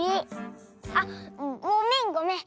あっごめんごめん。